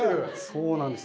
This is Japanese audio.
そうなんです。